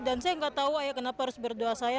dan saya nggak tahu ayah kenapa harus berdoa saya